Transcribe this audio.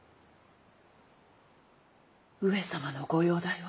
上様のご容体は。